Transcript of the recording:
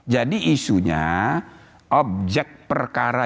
jadi isunya objek perkara